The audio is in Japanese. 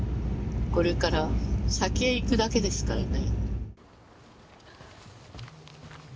これから先へ行くだけですからね。